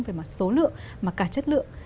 về mặt số lượng mà cả chất lượng